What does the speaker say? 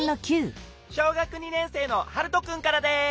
小学２年生のハルトくんからです。